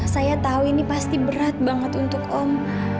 saya tahu ini pasti berat banget untuk om